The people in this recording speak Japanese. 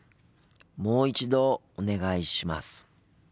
もう一度お願いします。